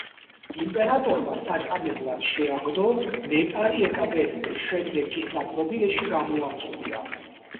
იმპერატორმა საწამებლად შეაგდო ნეტარი ეკატერინე, შემდეგ კი საპყრობილეში გამოამწყვდია.